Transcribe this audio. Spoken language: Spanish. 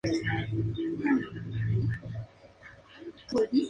Ahora se sabe que esta Ida era Ida, Condesa de Norfolk.